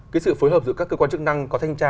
cái sự phối hợp giữa các cơ quan chức năng có thanh tra